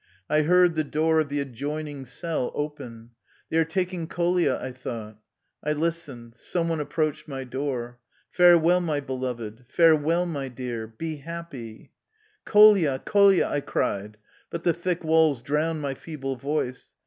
I heard the door of the adjoining cell open " They are taking Kolia/' I thought. I listened Some one approached my door. " Farewell, my beloved ! Farewell, my dear I Be happy !"" Kolia ! Kolia !'^ I cried, but the thick walls drowned my feeble voice.